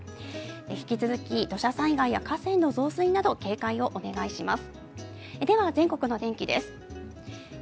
引き続き土砂災害や河川の増水など警戒をお願いします。